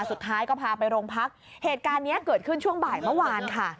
สุดท้ายก็พาไปโรงพักเหตุการณ์นี้เกิดขึ้นช่วงบ่ายเมื่อวานค่ะ